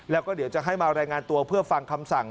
แล้วก็เดี๋ยวจะให้มารายงานตัวเพื่อฟังคำสั่ง